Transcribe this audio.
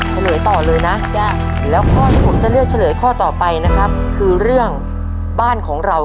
วันนี้ต้องใช้ไป